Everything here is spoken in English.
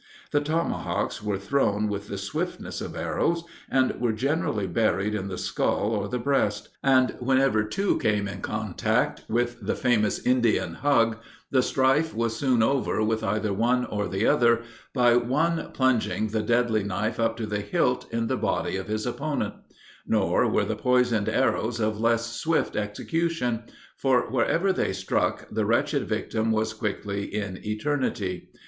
The tomahawks were thrown with the swiftness of arrows, and were generally buried in the skull or the breast; and whenever two came in contact, with the famous "Indian hug," the strife was soon over with either one or the other, by one plunging the deadly knife up to the hilt in the body of his opponent; nor were the poisoned arrows of less swift execution, for, wherever they struck, the wretched victim was quickly in eternity.